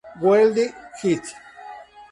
Goeldi Hist.